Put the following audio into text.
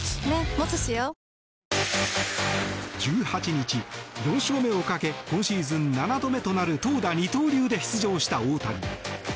１８日、４勝目をかけ今シーズン７度目となる投打二刀流で出場した大谷。